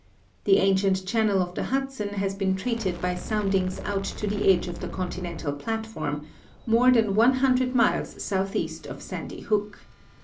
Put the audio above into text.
The ancient channel of the Hudson has been traced by soundings out to the edge of the continental platform, more than ioo miles southeast of Sandy Hook.